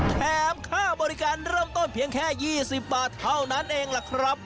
แถมค่าบริการเริ่มต้นเพียงแค่๒๐บาทเท่านั้นเองล่ะครับ